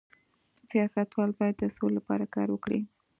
سیاستوال باید د سولې لپاره کار وکړي